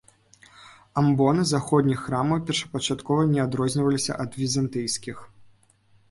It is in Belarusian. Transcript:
Амбоны заходніх храмаў першапачаткова не адрозніваліся ад візантыйскіх.